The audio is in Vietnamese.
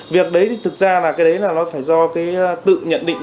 việc đấy thì thực ra là cái đấy là nó phải do cái tự nhận định của mình